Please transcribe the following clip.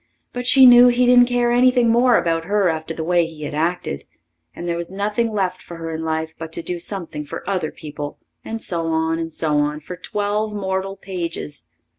But she knew he didn't care anything more about her after the way he had acted, and there was nothing left for her in life but to do something for other people, and so on and so on, for twelve mortal pages.